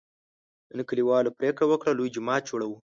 نن کلیوالو پرېکړه وکړه: لوی جومات جوړوو.